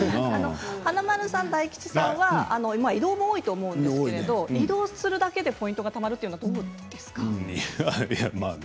華大さんは移動が多いと思うんですけれど移動するだけでポイントがたまるというの、どうですか？